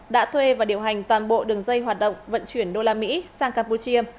đã thuê và điều hành toàn bộ đường dây hoạt động vận chuyển đô la mỹ sang campuchia